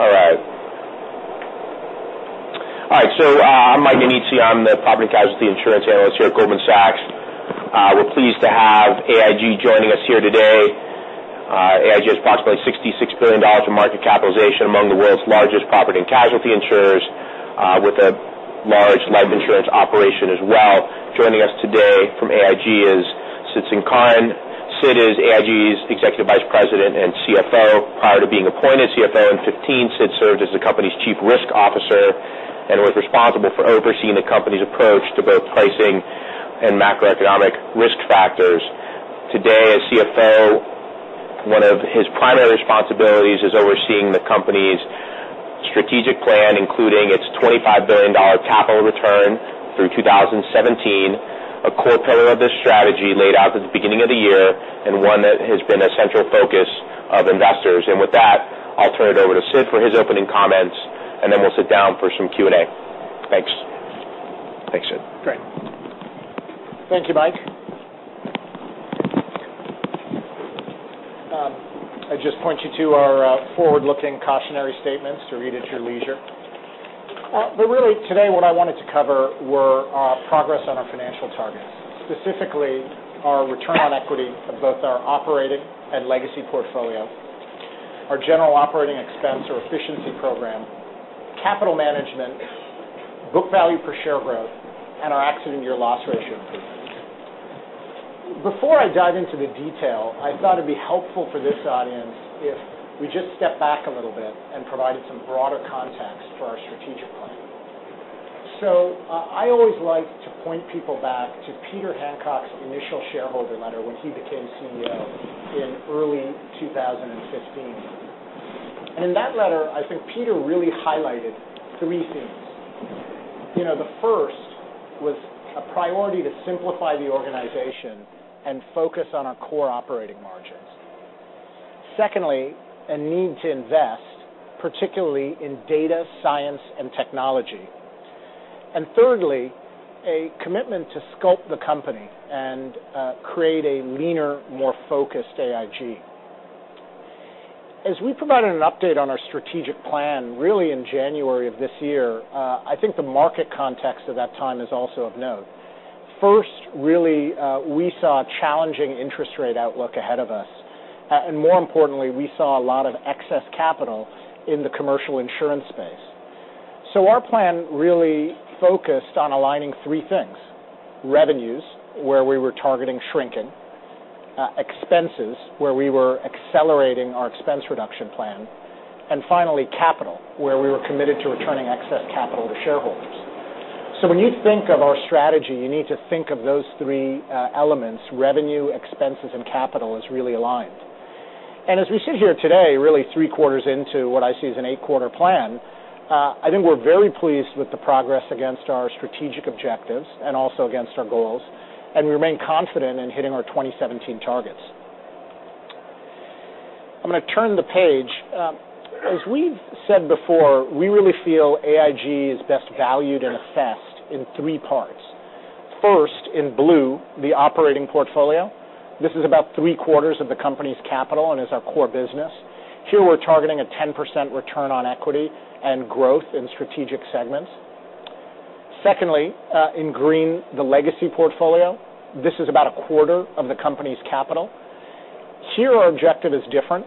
Right. I'm Mike Nici. I'm the Property and Casualty Insurance Analyst here at Goldman Sachs. We're pleased to have AIG joining us here today. AIG has approximately $66 billion in market capitalization, among the world's largest property and casualty insurers, with a large life insurance operation as well. Joining us today from AIG is Sid Sankaran. Sid is AIG's Executive Vice President and CFO. Prior to being appointed CFO in 2015, Sid served as the company's Chief Risk Officer and was responsible for overseeing the company's approach to both pricing and macroeconomic risk factors. Today, as CFO, one of his primary responsibilities is overseeing the company's strategic plan, including its $25 billion capital return through 2017, a core pillar of this strategy laid out at the beginning of the year, and one that has been a central focus of investors. With that, I'll turn it over to Sid for his opening comments, then we'll sit down for some Q&A. Thanks. Thanks, Sid. Great. Thank you, Mike. I just point you to our forward-looking cautionary statements to read at your leisure. Really today, what I wanted to cover were our progress on our financial targets, specifically our return on equity of both our operating and legacy portfolio, our general operating expense or efficiency program, capital management, book value per share growth, and our accident year loss ratio improvement. Before I dive into the detail, I thought it'd be helpful for this audience if we just step back a little bit and provided some broader context for our strategic plan. I always like to point people back to Peter Hancock's initial shareholder letter when he became CEO in early 2015. In that letter, I think Peter really highlighted three themes. The first was a priority to simplify the organization and focus on our core operating margins. Secondly, a need to invest, particularly in data, science, and technology. Thirdly, a commitment to sculpt the company and create a leaner, more focused AIG. As we provided an update on our strategic plan, really in January of this year, I think the market context at that time is also of note. First, really, we saw a challenging interest rate outlook ahead of us. More importantly, we saw a lot of excess capital in the commercial insurance space. Our plan really focused on aligning three things, revenues, where we were targeting shrinking; expenses, where we were accelerating our expense reduction plan; finally, capital, where we were committed to returning excess capital to shareholders. When you think of our strategy, you need to think of those three elements, revenue, expenses, and capital as really aligned. As we sit here today, really three quarters into what I see as an eight-quarter plan, I think we're very pleased with the progress against our strategic objectives and also against our goals, and we remain confident in hitting our 2017 targets. I'm going to turn the page. As we've said before, we really feel AIG is best valued and assessed in three parts. First, in blue, the operating portfolio. This is about three-quarters of the company's capital and is our core business. Here, we're targeting a 10% return on equity and growth in strategic segments. Secondly, in green, the legacy portfolio. This is about a quarter of the company's capital. Here, our objective is different.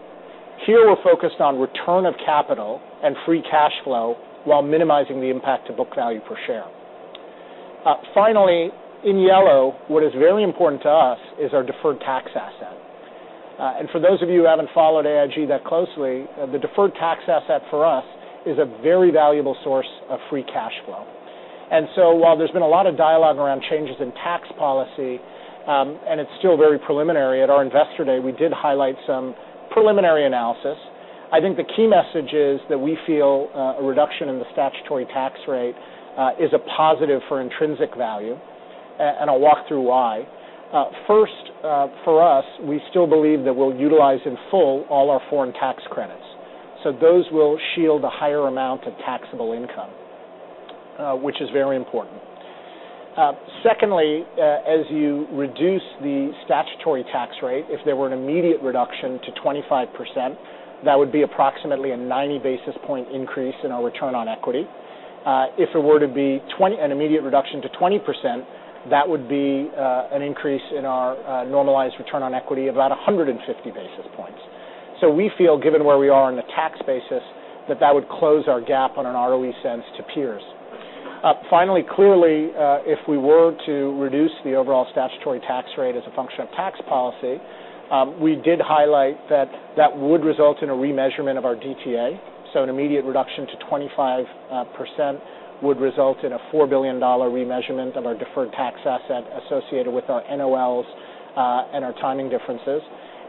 Here, we're focused on return of capital and free cash flow while minimizing the impact to book value per share. Finally, in yellow, what is very important to us is our deferred tax asset. For those of you who haven't followed AIG that closely, the deferred tax asset for us is a very valuable source of free cash flow. While there's been a lot of dialogue around changes in tax policy, and it's still very preliminary. At our investor day, we did highlight some preliminary analysis. I think the key message is that we feel a reduction in the statutory tax rate is a positive for intrinsic value, and I'll walk through why. First, for us, we still believe that we'll utilize in full all our foreign tax credits. Those will shield a higher amount of taxable income, which is very important. Secondly, as you reduce the statutory tax rate, if there were an immediate reduction to 25%, that would be approximately a 90 basis points increase in our return on equity. If it were to be an immediate reduction to 20%, that would be an increase in our normalized return on equity of about 150 basis points. We feel given where we are on the tax basis, that that would close our gap on an ROE sense to peers. Finally, clearly, if we were to reduce the overall statutory tax rate as a function of tax policy, we did highlight that that would result in a remeasurement of our DTA. An immediate reduction to 25% would result in a $4 billion remeasurement of our deferred tax asset associated with our NOLs, and our timing differences.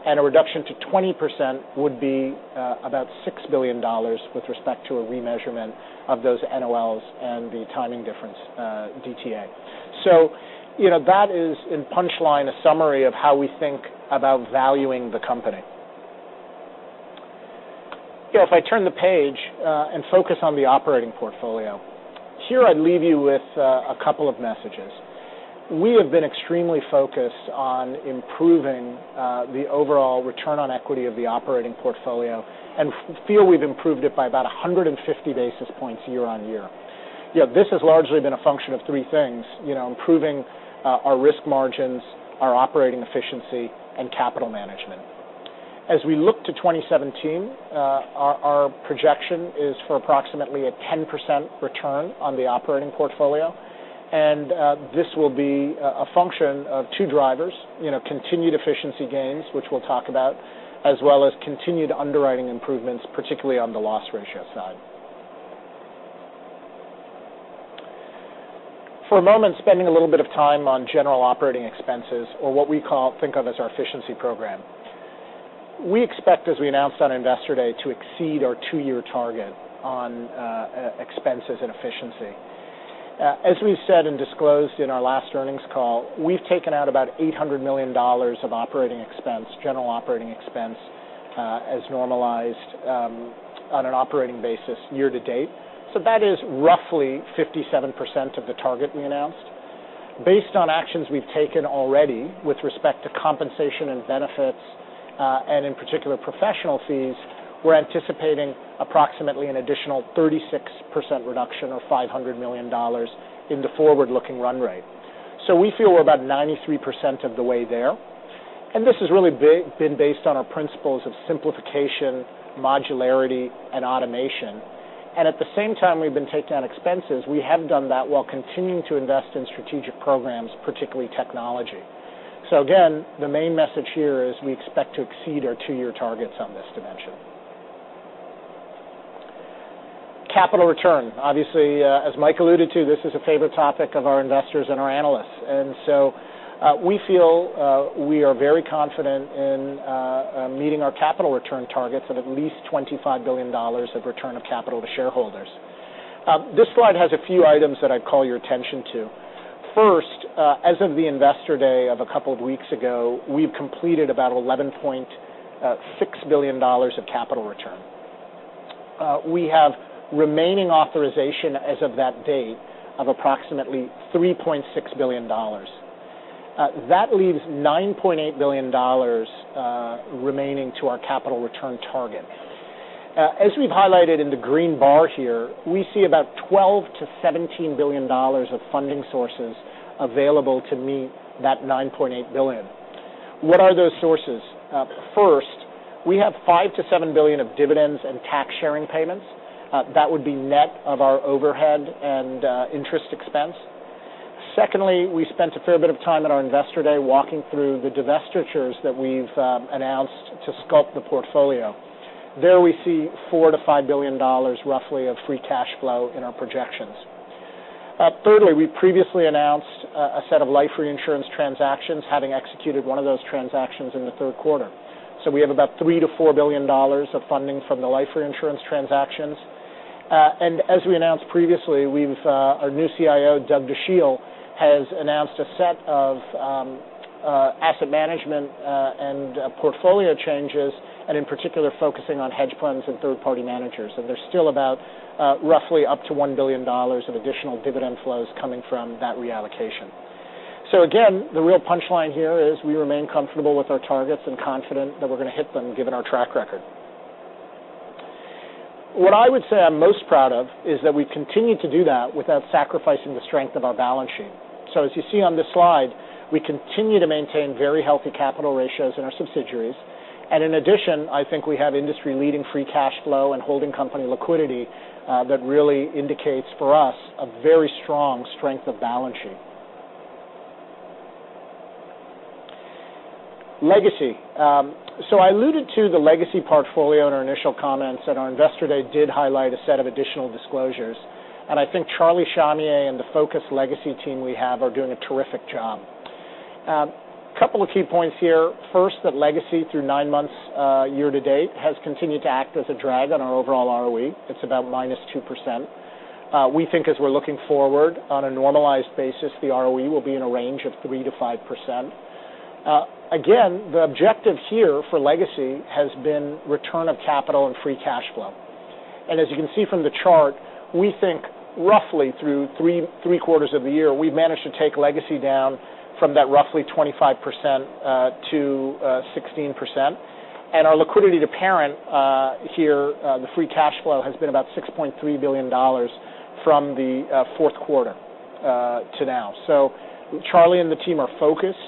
A reduction to 20% would be about $6 billion with respect to a remeasurement of those NOLs and the timing difference DTA. That is, in punchline, a summary of how we think about valuing the company. If I turn the page and focus on the operating portfolio, here I'd leave you with a couple of messages. We have been extremely focused on improving the overall return on equity of the operating portfolio and feel we've improved it by about 150 basis points year on year. This has largely been a function of three things: improving our risk margins, our operating efficiency, and capital management. As we look to 2017, our projection is for approximately a 10% return on the operating portfolio, and this will be a function of two drivers, continued efficiency gains, which we'll talk about, as well as continued underwriting improvements, particularly on the loss ratio side. For a moment, spending a little bit of time on general operating expenses or what we think of as our efficiency program. We expect, as we announced on Investor Day, to exceed our two-year target on expenses and efficiency. As we've said and disclosed in our last earnings call, we've taken out about $800 million of operating expense, general operating expense as normalized on an operating basis year to date. That is roughly 57% of the target we announced. Based on actions we've taken already with respect to compensation and benefits, and in particular professional fees, we're anticipating approximately an additional 36% reduction of $500 million in the forward-looking run rate. We feel we're about 93% of the way there, and this has really been based on our principles of simplification, modularity, and automation. At the same time we've been taking down expenses, we have done that while continuing to invest in strategic programs, particularly technology. Again, the main message here is we expect to exceed our two-year targets on this dimension. Capital return. Obviously, as Mike alluded to, this is a favorite topic of our investors and our analysts. We feel we are very confident in meeting our capital return targets of at least $25 billion of return of capital to shareholders. This slide has a few items that I'd call your attention to. First, as of the Investor Day of a couple of weeks ago, we've completed about $11.6 billion of capital return. We have remaining authorization as of that date of approximately $3.6 billion. That leaves $9.8 billion remaining to our capital return target. As we've highlighted in the green bar here, we see about $12 billion-$17 billion of funding sources available to meet that $9.8 billion. What are those sources? First, we have $5 billion-$7 billion of dividends and tax-sharing payments. That would be net of our overhead and interest expense. Secondly, we spent a fair bit of time at our Investor Day walking through the divestitures that we've announced to sculpt the portfolio. There we see $4 billion-$5 billion roughly of free cash flow in our projections. Thirdly, we previously announced a set of life reinsurance transactions, having executed one of those transactions in the third quarter. We have about $3 billion-$4 billion of funding from the life reinsurance transactions. As we announced previously, our new CIO, Doug Dachille, has announced a set of asset management and portfolio changes, and in particular focusing on hedge funds and third-party managers. There's still about roughly up to $1 billion of additional dividend flows coming from that reallocation. Again, the real punchline here is we remain comfortable with our targets and confident that we're going to hit them given our track record. What I would say I'm most proud of is that we've continued to do that without sacrificing the strength of our balance sheet. As you see on this slide, we continue to maintain very healthy capital ratios in our subsidiaries. In addition, I think we have industry-leading free cash flow and holding company liquidity that really indicates for us a very strong strength of balance sheet. Legacy. I alluded to the legacy portfolio in our initial comments at our Investor Day did highlight a set of additional disclosures. I think Charlie Shamieh and the focused Legacy team we have are doing a terrific job. A couple of key points here. First, that Legacy through 9 months year to date has continued to act as a drag on our overall ROE. It's about -2%. We think as we're looking forward on a normalized basis, the ROE will be in a range of 3%-5%. Again, the objective here for Legacy has been return of capital and free cash flow. As you can see from the chart, we think roughly through 3 quarters of the year, we've managed to take Legacy down from that roughly 25%-16%. Our liquidity to parent here, the free cash flow, has been about $6.3 billion from the fourth quarter to now. Charlie and the team are focused,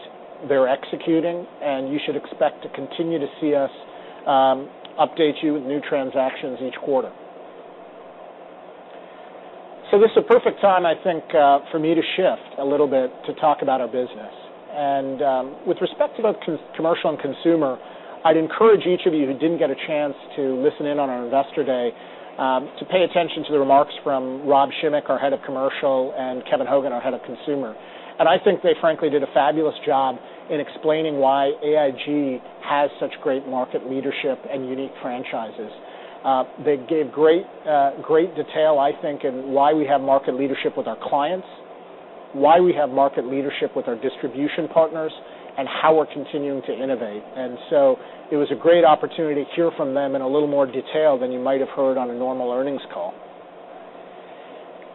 they're executing, and you should expect to continue to see us update you with new transactions each quarter. This is a perfect time, I think, for me to shift a little bit to talk about our business. With respect to both Commercial and Consumer, I'd encourage each of you who didn't get a chance to listen in on our Investor Day to pay attention to the remarks from Rob Schimek, our Head of Commercial, and Kevin Hogan, our Head of Consumer. I think they frankly did a fabulous job in explaining why AIG has such great market leadership and unique franchises. They gave great detail, I think, in why we have market leadership with our clients, why we have market leadership with our distribution partners, and how we're continuing to innovate. It was a great opportunity to hear from them in a little more detail than you might have heard on a normal earnings call.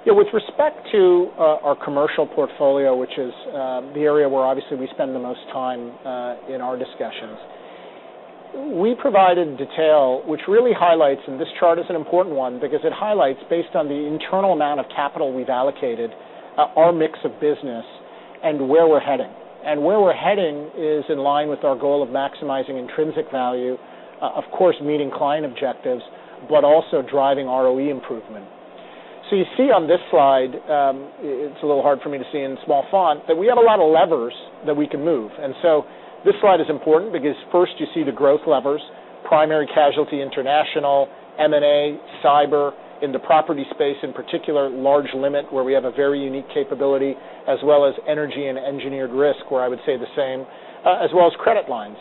With respect to our Commercial portfolio, which is the area where obviously we spend the most time in our discussions, we provided detail, which really highlights, and this chart is an important one because it highlights based on the internal amount of capital we've allocated, our mix of business and where we're heading. Where we're heading is in line with our goal of maximizing intrinsic value, of course, meeting client objectives, but also driving ROE improvement. You see on this slide, it's a little hard for me to see in small font, that we have a lot of levers that we can move. This slide is important because first you see the growth levers, primary casualty international, M&A, cyber in the property space, in particular, large limit, where we have a very unique capability, as well as energy and engineered risk, where I would say the same, as well as credit lines.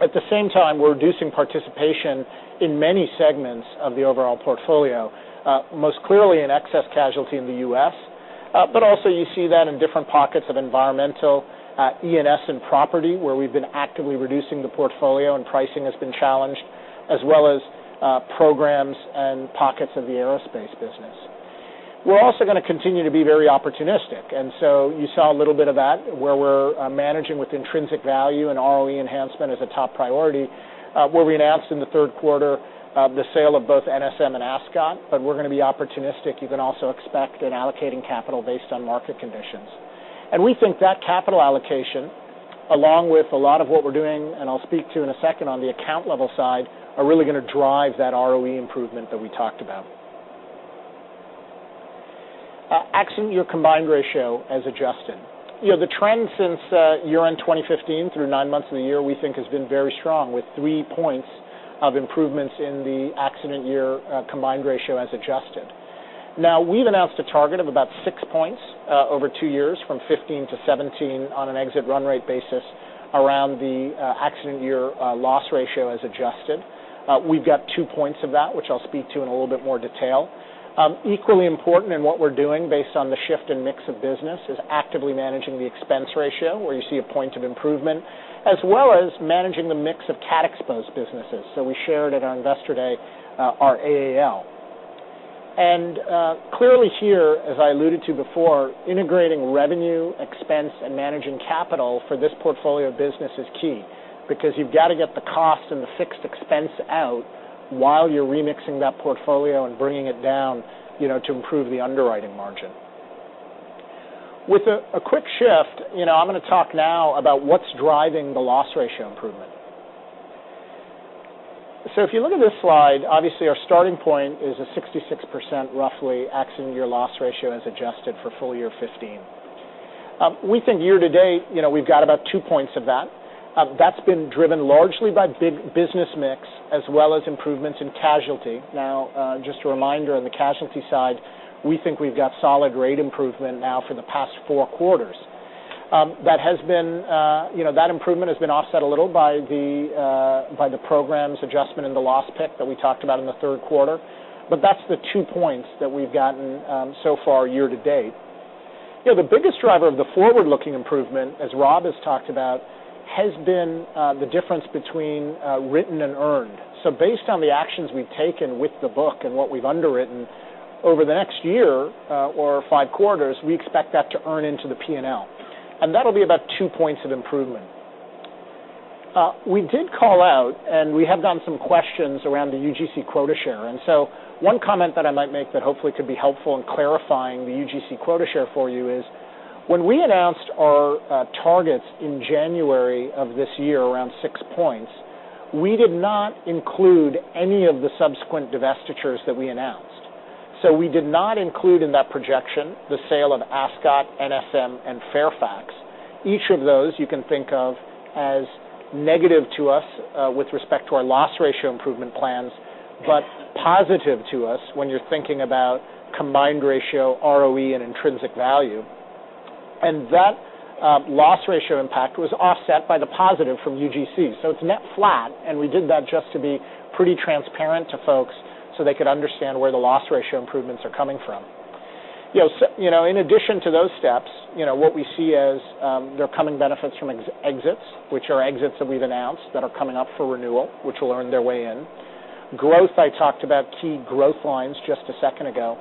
At the same time, we're reducing participation in many segments of the overall portfolio, most clearly in excess casualty in the U.S. Also you see that in different pockets of environmental, E&S and property, where we've been actively reducing the portfolio and pricing has been challenged, as well as programs and pockets of the aerospace business. We're also going to continue to be very opportunistic. You saw a little bit of that, where we're managing with intrinsic value and ROE enhancement as a top priority, where we announced in the third quarter the sale of both NSM and Ascot. We're going to be opportunistic. You can also expect in allocating capital based on market conditions. We think that capital allocation, along with a lot of what we're doing, and I'll speak to in a second on the account level side, are really going to drive that ROE improvement that we talked about. Accident year combined ratio as adjusted. The trend since year-end 2015 through nine months of the year, we think, has been very strong, with three points of improvements in the accident year combined ratio as adjusted. We've announced a target of about six points over two years, from 2015 to 2017 on an exit run rate basis around the accident year loss ratio as adjusted. We've got two points of that, which I'll speak to in a little bit more detail. Equally important in what we're doing based on the shift in mix of business is actively managing the expense ratio, where you see a point of improvement, as well as managing the mix of cat-exposed businesses. We shared at our Investor Day our AAL. Clearly here, as I alluded to before, integrating revenue, expense, and managing capital for this portfolio business is key because you've got to get the cost and the fixed expense out while you're remixing that portfolio and bringing it down to improve the underwriting margin. With a quick shift, I'm going to talk now about what's driving the loss ratio improvement. If you look at this slide, obviously our starting point is a 66% roughly accident year loss ratio as adjusted for full year 2015. We think year to date, we've got about two points of that. That's been driven largely by business mix as well as improvements in casualty. Just a reminder on the casualty side, we think we've got solid rate improvement now for the past four quarters. That improvement has been offset a little by the programs adjustment in the loss pick that we talked about in the third quarter. That's the two points that we've gotten so far year to date. The biggest driver of the forward-looking improvement, as Rob has talked about, has been the difference between written and earned. Based on the actions we've taken with the book and what we've underwritten over the next year or five quarters, we expect that to earn into the P&L. That'll be about two points of improvement. We did call out, and we have gotten some questions around the UGC quota share. One comment that I might make that hopefully could be helpful in clarifying the UGC quota share for you is when we announced our targets in January of this year, around six points, we did not include any of the subsequent divestitures that we announced. We did not include in that projection the sale of Ascot, NSM, and Fairfax. Each of those you can think of as negative to us with respect to our loss ratio improvement plans, but positive to us when you're thinking about combined ratio ROE and intrinsic value. That loss ratio impact was offset by the positive from UGC. It's net flat, and we did that just to be pretty transparent to folks so they could understand where the loss ratio improvements are coming from. In addition to those steps, what we see as there are coming benefits from exits, which are exits that we've announced that are coming up for renewal, which will earn their way in. Growth, I talked about key growth lines just a second ago.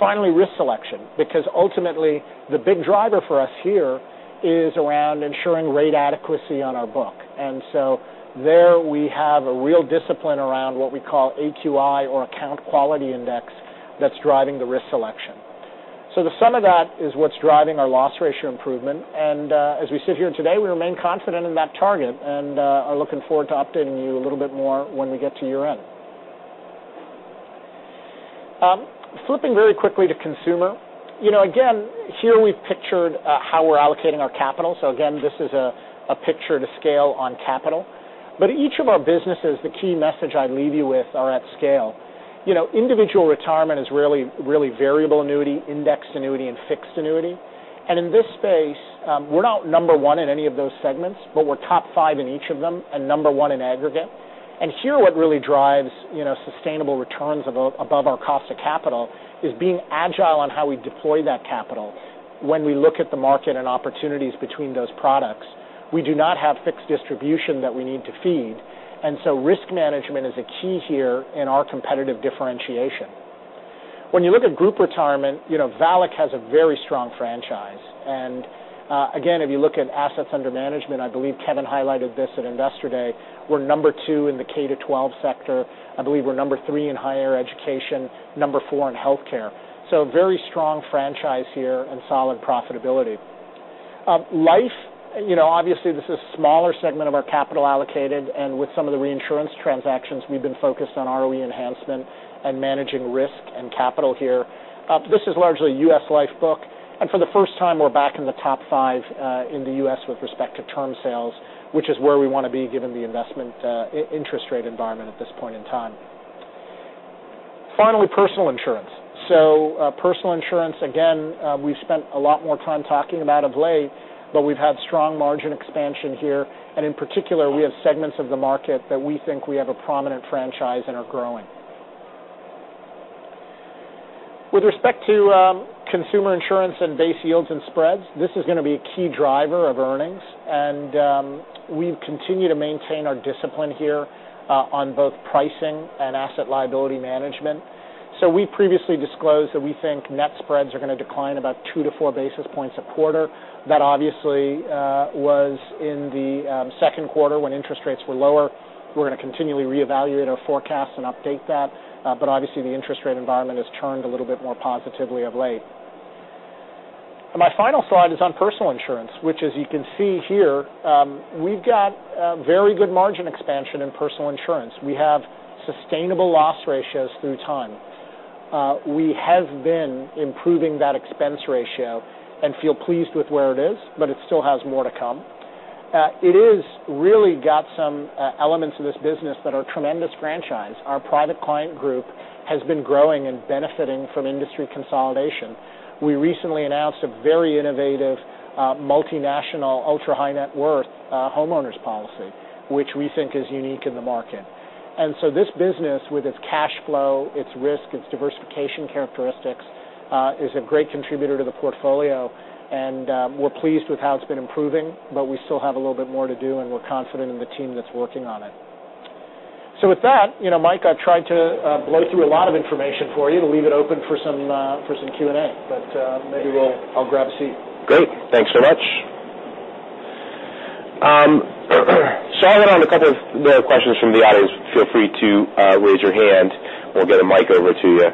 Finally, risk selection, because ultimately the big driver for us here is around ensuring rate adequacy on our book. There we have a real discipline around what we call AQI or account quality index that's driving the risk selection. The sum of that is what's driving our loss ratio improvement. As we sit here today, we remain confident in that target and are looking forward to updating you a little bit more when we get to year-end. Flipping very quickly to consumer. Again, here we've pictured how we're allocating our capital. Again, this is a picture to scale on capital. Each of our businesses, the key message I'd leave you with are at scale. Individual retirement is really variable annuity, index annuity, and fixed annuity. In this space, we're not number one in any of those segments, but we're top five in each of them and number one in aggregate. Here what really drives sustainable returns above our cost of capital is being agile on how we deploy that capital when we look at the market and opportunities between those products. We do not have fixed distribution that we need to feed. Risk management is a key here in our competitive differentiation. When you look at group retirement, VALIC has a very strong franchise. Again, if you look at assets under management, I believe Kevin highlighted this at Investor Day, we're number two in the K-12 sector. I believe we're number three in higher education, number four in healthcare. Very strong franchise here and solid profitability. Life, obviously, this is a smaller segment of our capital allocated, and with some of the reinsurance transactions, we've been focused on ROE enhancement and managing risk and capital here. This is largely a U.S. life book. For the first time, we're back in the top five in the U.S. with respect to term sales, which is where we want to be, given the investment interest rate environment at this point in time. Finally, personal insurance. Personal insurance, again, we've spent a lot more time talking about of late, but we've had strong margin expansion here. In particular, we have segments of the market that we think we have a prominent franchise and are growing. With respect to consumer insurance and base yields and spreads, this is going to be a key driver of earnings. We continue to maintain our discipline here on both pricing and asset liability management. We previously disclosed that we think net spreads are going to decline about 2 to 4 basis points a quarter. That obviously was in the second quarter when interest rates were lower. We're going to continually reevaluate our forecast and update that. Obviously, the interest rate environment has turned a little bit more positively of late. My final slide is on personal insurance, which as you can see here, we've got very good margin expansion in personal insurance. We have sustainable loss ratios through time. We have been improving that expense ratio and feel pleased with where it is, but it still has more to come. It is really got some elements in this business that are tremendous franchise. Our AIG Private Client Group has been growing and benefiting from industry consolidation. We recently announced a very innovative multinational ultra-high net worth homeowners policy, which we think is unique in the market. This business with its cash flow, its risk, its diversification characteristics, is a great contributor to the portfolio. We're pleased with how it's been improving, but we still have a little bit more to do, and we're confident in the team that's working on it. With that, Mike, I've tried to blow through a lot of information for you to leave it open for some Q&A. Maybe I'll grab a seat. Great. Thanks so much. I went on a couple of the questions from the audience. Feel free to raise your hand. We'll get a mic over to you.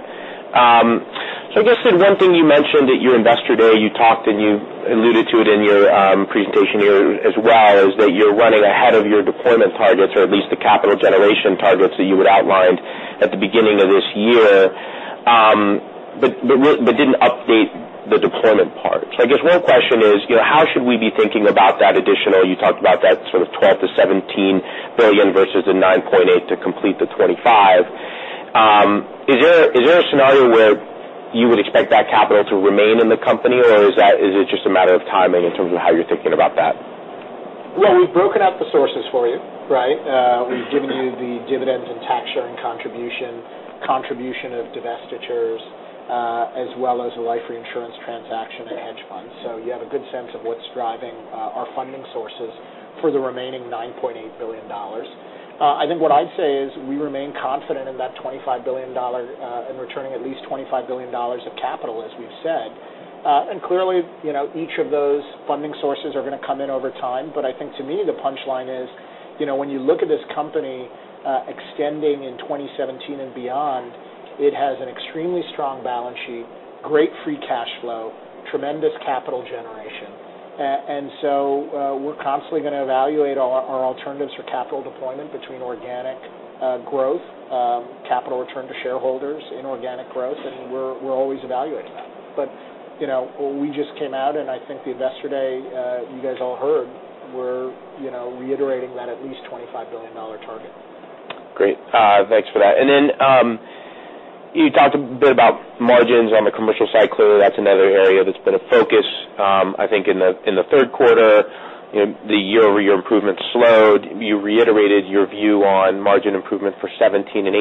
I guess the one thing you mentioned at your Investor Day, you talked and you alluded to it in your presentation here as well, is that you're running ahead of your deployment targets or at least the capital generation targets that you had outlined at the beginning of this year, but didn't update the deployment part. I guess one question is, how should we be thinking about that additional, you talked about that sort of $12 billion-$17 billion versus the $9.8 billion to complete the $25 billion. Is there a scenario where you would expect that capital to remain in the company, or is it just a matter of timing in terms of how you're thinking about that? We've broken out the sources for you, right? We've given you the dividends and tax sharing contribution of divestitures, as well as a life reinsurance transaction and hedge funds. You have a good sense of what's driving our funding sources for the remaining $9.8 billion. I think what I'd say is we remain confident in that $25 billion and returning at least $25 billion of capital, as we've said. Clearly, each of those funding sources are going to come in over time. I think to me, the punchline is when you look at this company extending in 2017 and beyond, it has an extremely strong balance sheet, great free cash flow, tremendous capital generation. We're constantly going to evaluate our alternatives for capital deployment between organic growth, capital return to shareholders, inorganic growth, and we're always evaluating that. We just came out, I think the Investor Day, you guys all heard, we're reiterating that at least $25 billion target. Great. Thanks for that. You talked a bit about margins on the commercial side. Clearly, that's another area that's been a focus. I think in the third quarter, the year-over-year improvement slowed. You reiterated your view on margin improvement for 2017 and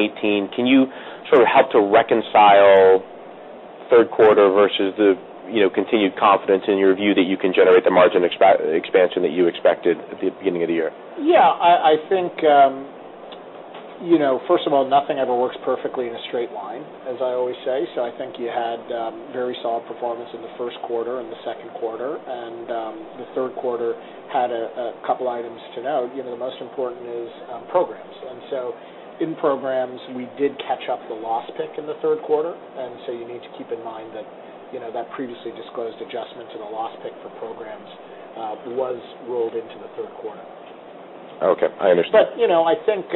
2018. Can you sort of help to reconcile third quarter versus the continued confidence in your view that you can generate the margin expansion that you expected at the beginning of the year? I think first of all, nothing ever works perfectly in a straight line, as I always say. I think you had very solid performance in the first quarter and the second quarter. The third quarter had a couple items to note. The most important is programs. In programs, we did catch up the loss pick in the third quarter. You need to keep in mind that previously disclosed adjustment to the loss pick for programs was rolled into the third quarter. I understand. I think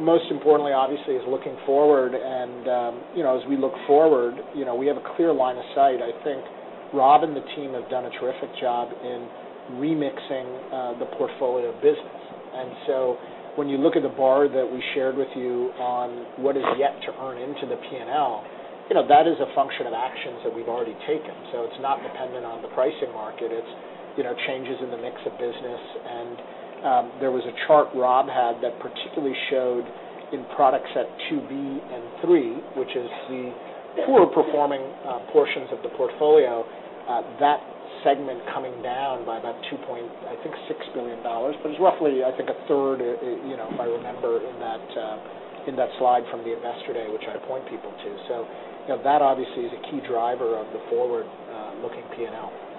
most importantly, obviously, is looking forward. As we look forward, we have a clear line of sight. I think Rob and the team have done a terrific job in remixing the portfolio business. When you look at the bar that we shared with you on what is yet to earn into the P&L, that is a function of actions that we've already taken. It's not dependent on the pricing market. It's changes in the mix of business. There was a chart Rob had that particularly showed in products at BB and B, which is the poorer performing portions of the portfolio, that segment coming down by about, I think, $2.6 billion. But it was roughly, I think a third, if I remember in that slide from the Investor Day, which I point people to. That obviously is a key driver of the forward-looking P&L.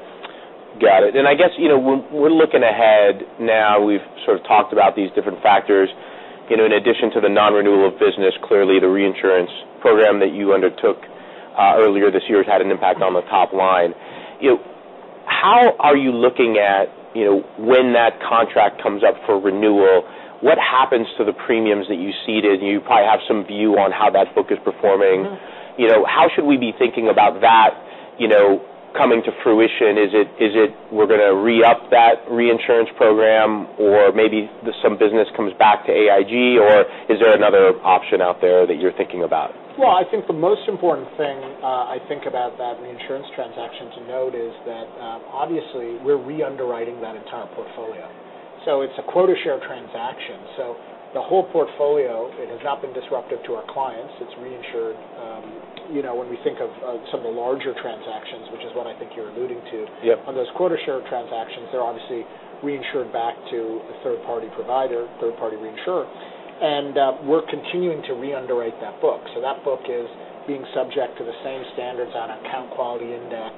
Got it. I guess, we're looking ahead now. We've sort of talked about these different factors in addition to the non-renewal of business, clearly the reinsurance program that you undertook earlier this year has had an impact on the top line. How are you looking at when that contract comes up for renewal, what happens to the premiums that you ceded? You probably have some view on how that book is performing. How should we be thinking about that coming to fruition? Is it we're going to re-up that reinsurance program or maybe some business comes back to AIG, or is there another option out there that you're thinking about? Well, I think the most important thing, I think about that reinsurance transaction to note is that, obviously, we're re-underwriting that entire portfolio. It's a quota share transaction. The whole portfolio, it has not been disruptive to our clients. It's reinsured. When we think of some of the larger transactions, which is what I think you're alluding to. Yep On those quota share transactions, they're obviously reinsured back to a third-party provider, third-party reinsurer. We're continuing to re-underwrite that book. That book is being subject to the same standards on Account Quality Index,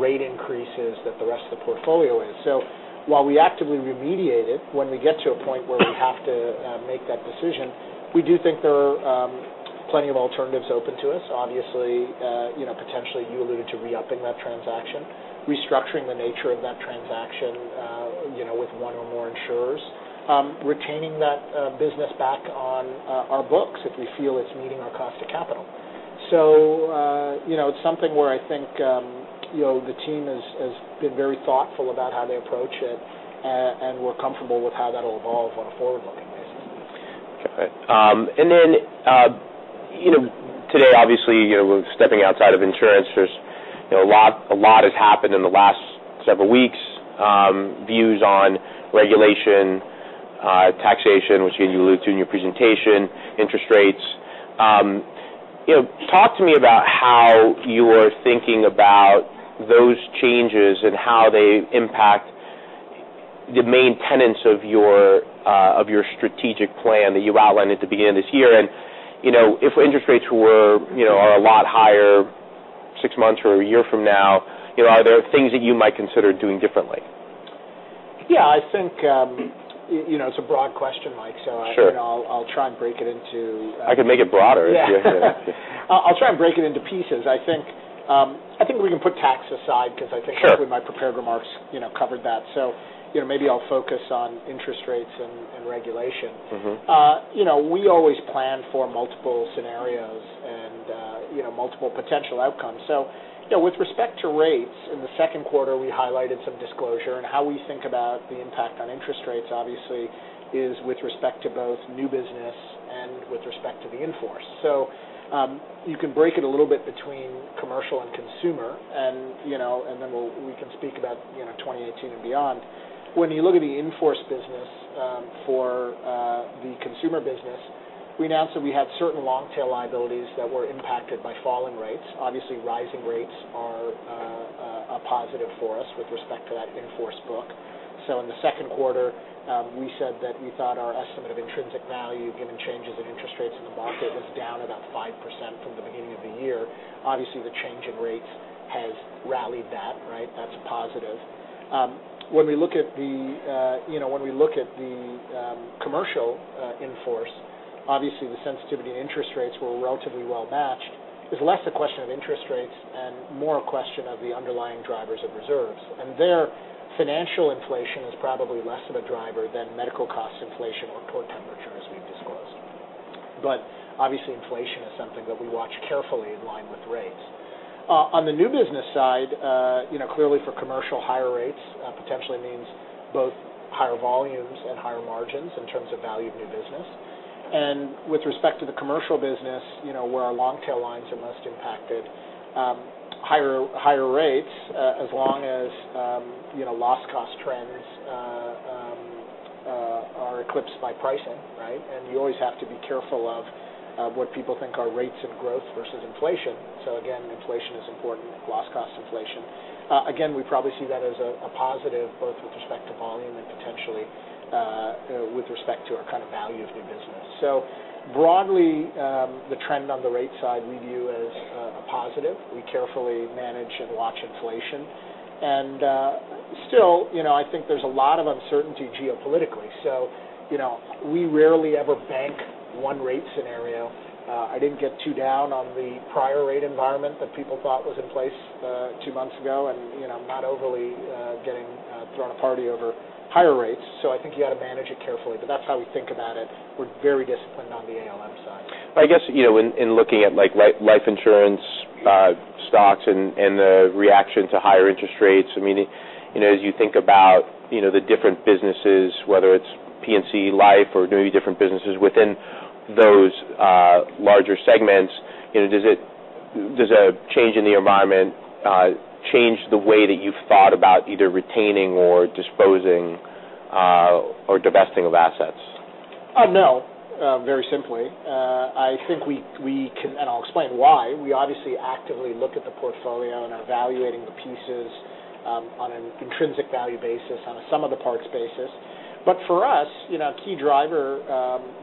rate increases that the rest of the portfolio is. While we actively remediate it, when we get to a point where we have to make that decision, we do think there are plenty of alternatives open to us. Obviously, potentially, you alluded to re-upping that transaction, restructuring the nature of that transaction with one or more insurers, retaining that business back on our books if we feel it's meeting our cost of capital. It's something where I think, the team has been very thoughtful about how they approach it, and we're comfortable with how that'll evolve on a forward-looking basis. Okay. Today, obviously, we're stepping outside of insurance. A lot has happened in the last several weeks. Views on regulation, taxation, which you allude to in your presentation, interest rates. Talk to me about how you are thinking about those changes and how they impact the main tenets of your strategic plan that you outlined at the beginning of this year. If interest rates were a lot higher six months or a year from now, are there things that you might consider doing differently? Yeah, I think, it's a broad question, Mike. Sure I'll try and break it. I can make it broader. Yeah. I'll try and break it into pieces. I think we can put tax aside. Sure actually my prepared remarks covered that. Maybe I'll focus on interest rates and regulation. We always plan for multiple scenarios and multiple potential outcomes. With respect to rates, in the second quarter, we highlighted some disclosure, and how we think about the impact on interest rates obviously is with respect to both new business and with respect to the in-force. You can break it a little bit between commercial and consumer and then we can speak about 2018 and beyond. When you look at the in-force business for the consumer business, we announced that we had certain long-tail liabilities that were impacted by falling rates. Obviously, rising rates are a positive for us with respect to that in-force book. In the second quarter, we said that we thought our estimate of intrinsic value given changes in interest rates in the market was down about 5% from the beginning of the year. Obviously, the change in rates has rallied that, right? That's positive. When we look at the commercial in-force, obviously the sensitivity interest rates were relatively well matched. It's less a question of interest rates and more a question of the underlying drivers of reserves. There, financial inflation is probably less of a driver than medical cost inflation or AQI as we've disclosed. Obviously, inflation is something that we watch carefully in line with rates. On the new business side, clearly for commercial, higher rates potentially means both higher volumes and higher margins in terms of value of new business. With respect to the commercial business where our long-tail lines are most impacted, higher rates as long as loss cost trends are eclipsed by pricing, right? You always have to be careful of what people think are rates of growth versus inflation. Again, inflation is important, loss cost inflation. Again, we probably see that as a positive both with respect to volume and potentially with respect to our kind of value of new business. Broadly, the trend on the rate side we view as a positive. We carefully manage and watch inflation. Still, I think there's a lot of uncertainty geopolitically. We rarely ever bank one rate scenario. I didn't get too down on the prior rate environment that people thought was in place two months ago, and not overly throwing a party over higher rates. I think you got to manage it carefully. That's how we think about it. We're very disciplined on the ALM side. I guess, in looking at life insurance stocks and the reaction to higher interest rates, as you think about the different businesses, whether it's P&C life or maybe different businesses within those larger segments, Does a change in the environment change the way that you've thought about either retaining or disposing or divesting of assets? No, very simply. I think we can, and I'll explain why, we obviously actively look at the portfolio and are evaluating the pieces on an intrinsic value basis, on a sum of the parts basis. For us, a key driver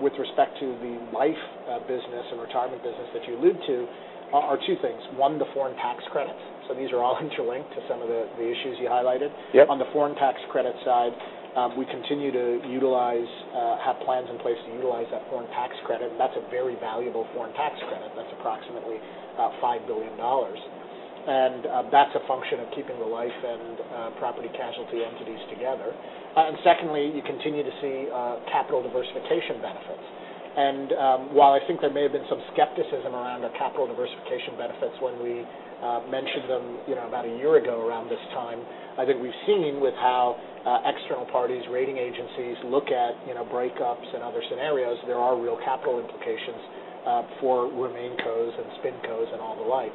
with respect to the life business and retirement business that you allude to are 2 things. 1, the foreign tax credit. These are all interlinked to some of the issues you highlighted. Yep. On the foreign tax credit side, we continue to have plans in place to utilize that foreign tax credit, and that's a very valuable foreign tax credit. That's approximately $5 billion. That's a function of keeping the life and property casualty entities together. Secondly, you continue to see capital diversification benefits. While I think there may have been some skepticism around the capital diversification benefits when we mentioned them about a year ago around this time, I think we've seen with how external parties, rating agencies look at breakups and other scenarios, there are real capital implications for RemainCo and SpinCo and all the like.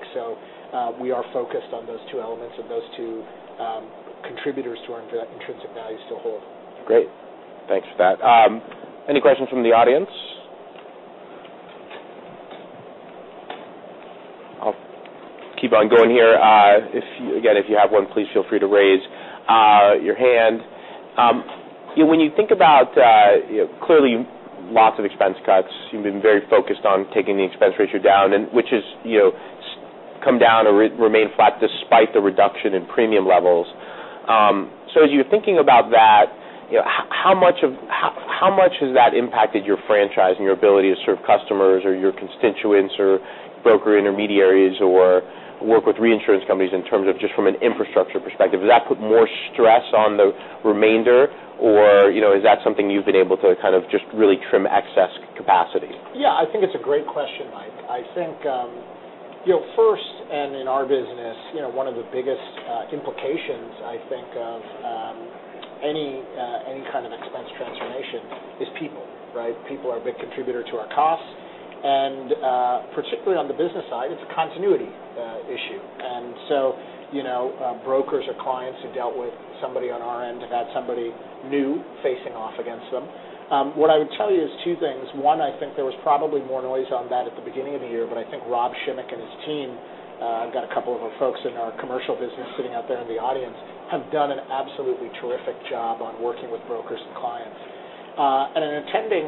We are focused on those 2 elements and those 2 contributors to our intrinsic value still hold. Great. Thanks for that. Any questions from the audience? I'll keep on going here. Again, if you have 1, please feel free to raise your hand. When you think about clearly lots of expense cuts, you've been very focused on taking the expense ratio down and which has come down or remained flat despite the reduction in premium levels. As you're thinking about that, how much has that impacted your franchise and your ability to serve customers or your constituents or broker intermediaries or work with reinsurance companies in terms of just from an infrastructure perspective? Does that put more stress on the remainder, or is that something you've been able to kind of just really trim excess capacity? Yeah, I think it's a great question, Mike. I think first and in our business, 1 of the biggest implications I think of any kind of expense transformation is people, right? People are a big contributor to our costs. Particularly on the business side, it's a continuity issue. Brokers or clients who dealt with somebody on our end have had somebody new facing off against them. What I would tell you is 2 things. 1, I think there was probably more noise on that at the beginning of the year, but I think Rob Schimek and his team, I've got a couple of our folks in our commercial business sitting out there in the audience, have done an absolutely terrific job on working with brokers and clients. In attending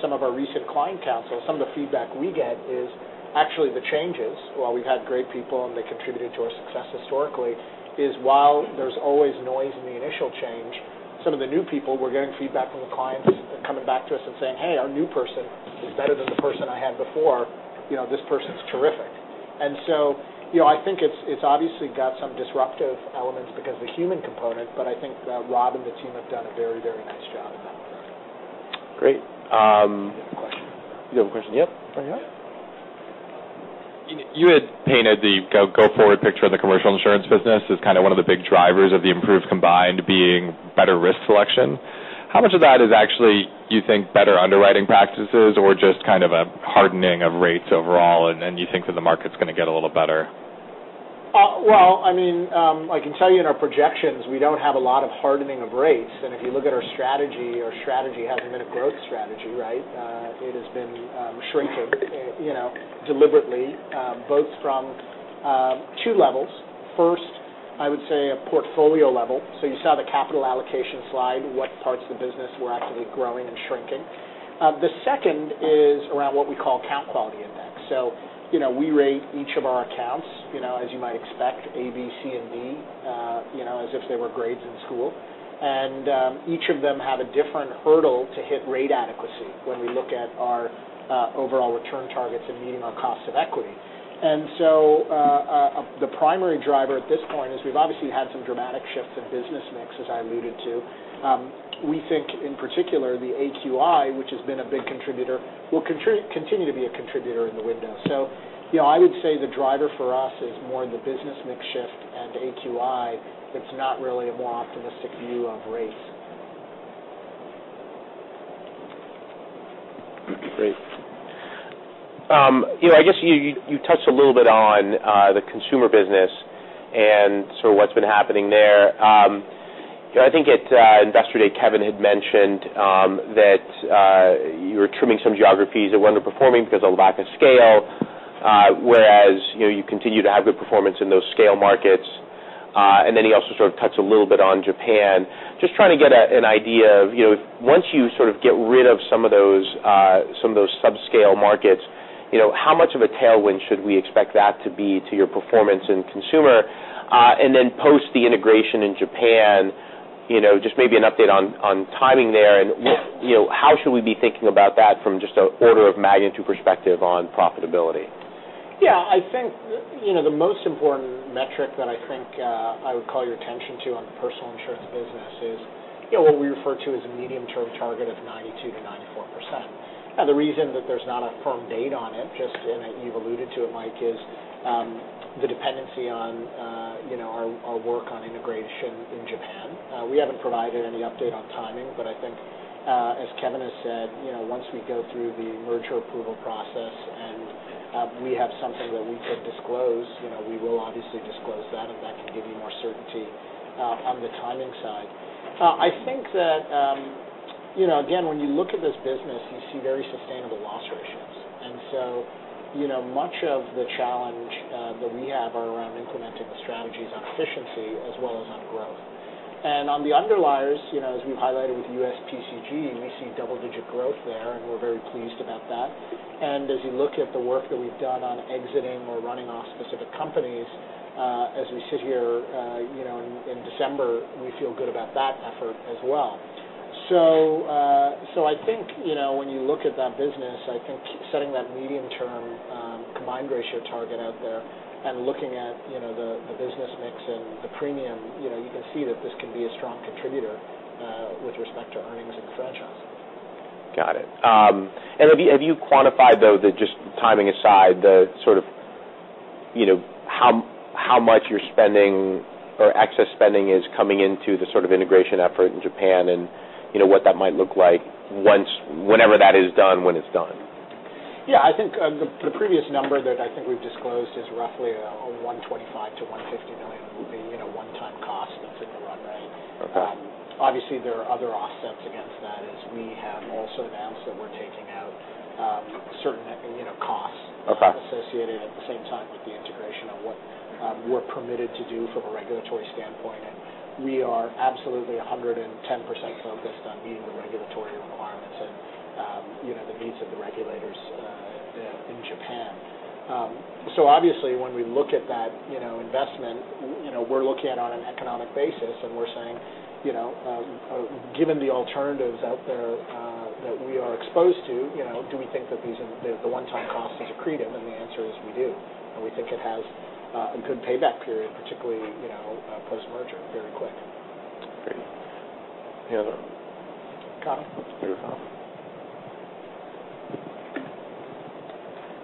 some of our recent client councils, some of the feedback we get is actually the changes, while we've had great people and they contributed to our success historically, is while there's always noise in the initial change, some of the new people we're getting feedback from the clients coming back to us and saying, "Hey, our new person is better than the person I had before. This person's terrific." I think it's obviously got some disruptive elements because of the human component, but I think that Rob and the team have done a very nice job in that regard. Great. I have a question. You have a question? Yep. Right here. You had painted the go-forward picture of the commercial insurance business as kind of one of the big drivers of the improved combined being better risk selection. How much of that is actually, do you think, better underwriting practices or just kind of a hardening of rates overall, and you think that the market's going to get a little better? Well, I can tell you in our projections, we don't have a lot of hardening of rates. If you look at our strategy, our strategy hasn't been a growth strategy, right? It has been shrinking deliberately both from two levels. First, I would say a portfolio level. You saw the capital allocation slide, what parts of the business we're actively growing and shrinking. The second is around what we call account quality index. We rate each of our accounts as you might expect, A, B, C, and D as if they were grades in school. Each of them have a different hurdle to hit rate adequacy when we look at our overall return targets and meeting our cost of equity. The primary driver at this point is we've obviously had some dramatic shifts in business mix, as I alluded to. We think, in particular, the AQI, which has been a big contributor, will continue to be a contributor in the window. I would say the driver for us is more the business mix shift and AQI. It's not really a more optimistic view of rates. Great. I guess you touched a little bit on the consumer business and sort of what's been happening there. I think at Investor Day, Kevin had mentioned that you were trimming some geographies that were underperforming because of lack of scale, whereas you continue to have good performance in those scale markets. He also sort of touched a little bit on Japan. Just trying to get an idea of once you sort of get rid of some of those subscale markets, how much of a tailwind should we expect that to be to your performance in consumer? Post the integration in Japan, just maybe an update on timing there and how should we be thinking about that from just an order of magnitude perspective on profitability? Yeah, I think the most important metric that I think I would call your attention to on the personal insurance business is what we refer to as a medium-term target of 92%-94%. The reason that there's not a firm date on it, just as you've alluded to it, Mike, is the dependency on our work on integration in Japan. We haven't provided any update on timing, but I think, as Kevin has said, once we go through the merger approval process and we have something that we could disclose, we will obviously disclose that, and that can give you more certainty on the timing side. I think that, again, when you look at this business, you see very sustainable loss ratios. Much of the challenge that we have are around implementing the strategies on efficiency as well as on growth. On the underliers, as we've highlighted with US PCG, we see double-digit growth there, and we're very pleased about that. As you look at the work that we've done on exiting or running off specific companies, as we sit here in December, we feel good about that effort as well. I think, when you look at that business, I think setting that medium-term combined ratio target out there and looking at the business mix and the premium, you can see that this can be a strong contributor with respect to earnings and franchise. Got it. Have you quantified, though, just timing aside, how much you're spending or excess spending is coming into the sort of integration effort in Japan and what that might look like whenever that is done, when it's done? I think the previous number that I think we've disclosed is roughly a $125 million-$150 million one-time cost that's in the run rate. Okay. Obviously, there are other offsets against that as we have also announced that we're taking out certain costs. Okay associated at the same time with the integration of what we're permitted to do from a regulatory standpoint. We are absolutely 110% focused on meeting the regulatory requirements and the needs of the regulators in Japan. Obviously, when we look at that investment, we're looking at on an economic basis, and we're saying, given the alternatives out there that we are exposed to, do we think that the one-time cost is accretive? The answer is we do. We think it has a good payback period, particularly, post-merger, very quick. Great. Any other? Kyle. Let's go to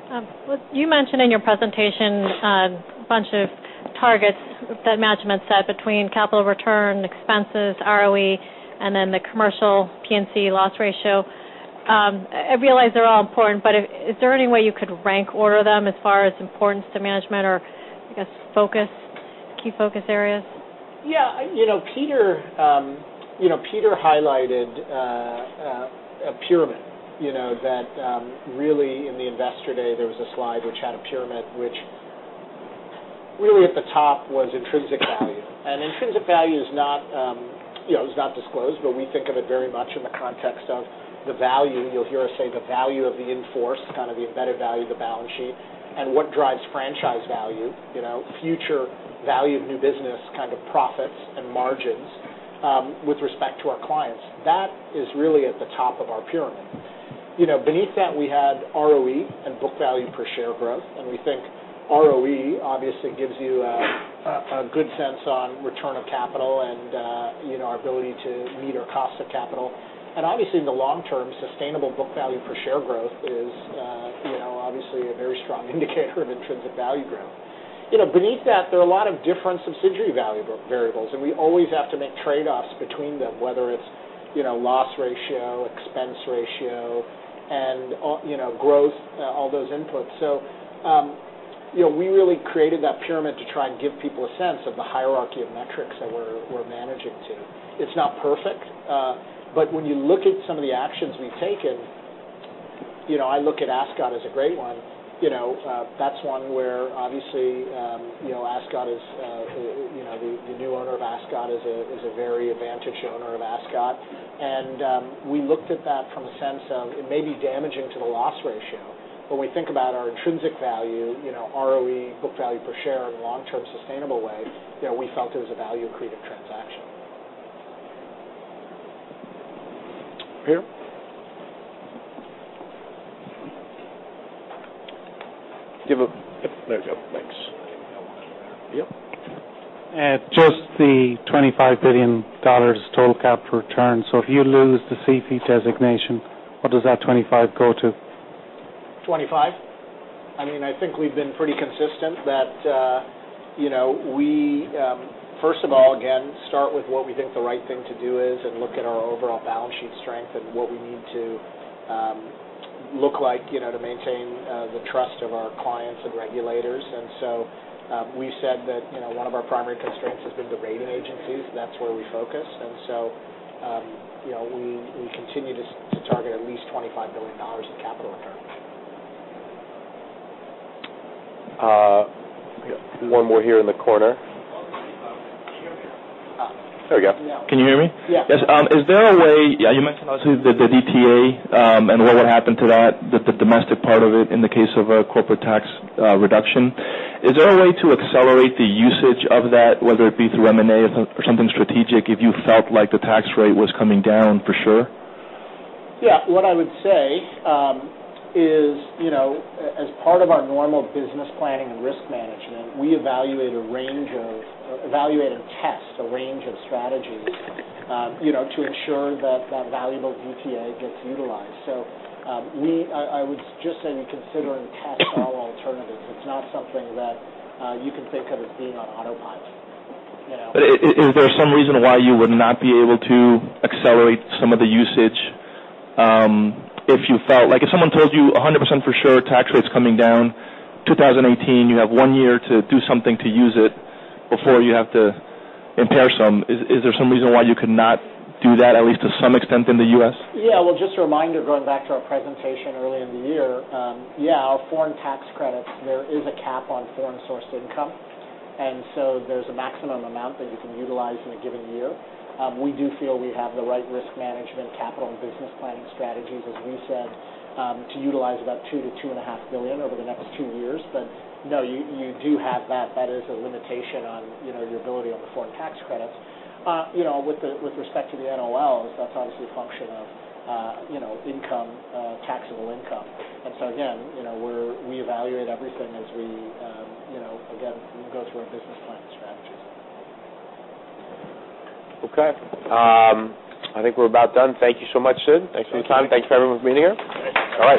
Kyle. You mentioned in your presentation a bunch of targets that management set between capital return, expenses, ROE, and then the commercial P&C loss ratio. I realize they're all important, but is there any way you could rank order them as far as importance to management or, I guess, key focus areas? Yeah. Peter highlighted a pyramid that really in the investor day, there was a slide which had a pyramid, which really at the top was intrinsic value. Intrinsic value is not disclosed, but we think of it very much in the context of the value, you'll hear us say, the value of the in-force, kind of the embedded value of the balance sheet, and what drives franchise value, future value of new business, kind of profits and margins with respect to our clients. That is really at the top of our pyramid. Beneath that, we had ROE and book value per share growth. We think ROE obviously gives you a good sense on return of capital and our ability to meet our cost of capital. Obviously, in the long term, sustainable book value per share growth is obviously a very strong indicator of intrinsic value growth. Beneath that, there are a lot of different subsidiary value variables, and we always have to make trade-offs between them, whether it's loss ratio, expense ratio, and growth, all those inputs. We really created that pyramid to try and give people a sense of the hierarchy of metrics that we're managing to. It's not perfect. When you look at some of the actions we've taken, I look at Ascot as a great one. That's one where obviously, the new owner of Ascot is a very advantaged owner of Ascot. We looked at that from a sense of it may be damaging to the loss ratio. When we think about our intrinsic value, ROE, book value per share in a long-term sustainable way, we felt it was a value-accretive transaction. Peter. Yep, there you go. Thanks. Yep. Just the $25 billion total capital return. If you lose the SIFI designation, what does that 25 go to? I think we've been pretty consistent that we, first of all, again, start with what we think the right thing to do is and look at our overall balance sheet strength and what we need to look like to maintain the trust of our clients and regulators. We've said that one of our primary constraints has been the rating agencies. That's where we focus. We continue to target at least $25 billion of capital return. We got one more here in the corner. Can you hear me? There we go. Can you hear me? Yeah. Yes. You mentioned obviously the DTA and what would happen to that, the domestic part of it in the case of a corporate tax reduction. Is there a way to accelerate the usage of that, whether it be through M&A or something strategic if you felt like the tax rate was coming down for sure? What I would say is as part of our normal business planning and risk management, we evaluate a test, a range of strategies to ensure that that valuable DTA gets utilized. I would just say we consider and test all alternatives. It's not something that you can think of as being on autopilot. Is there some reason why you would not be able to accelerate some of the usage if you felt like if someone told you 100% for sure, tax rate's coming down 2018, you have one year to do something to use it before you have to impair some. Is there some reason why you could not do that, at least to some extent in the U.S.? Well, just a reminder, going back to our presentation earlier in the year, our foreign tax credits, there is a cap on foreign-sourced income. There's a maximum amount that you can utilize in a given year. We do feel we have the right risk management capital and business planning strategies, as we said, to utilize about $2 billion-$2.5 billion over the next two years. No, you do have that. That is a limitation on your ability on the foreign tax credits. With respect to the NOLs, that's obviously a function of taxable income. Again, we evaluate everything as we, again, go through our business planning strategies. Okay. I think we're about done. Thank you so much, Sid. Thanks for your time. Thanks everyone for being here. All right.